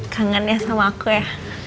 kangen ya sama aku ya